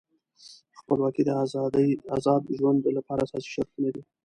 خپلواکي د آزاد ژوند لپاره اساسي شرط دی.